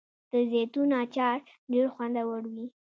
د زیتون اچار ډیر خوندور وي.